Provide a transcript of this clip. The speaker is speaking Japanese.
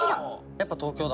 やっぱ東京だ。